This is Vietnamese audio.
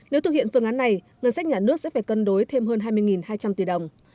nếu thực hiện phương án này ngân sách nhà nước sẽ phải cân đối thêm hơn hai mươi hai trăm linh tỷ đồng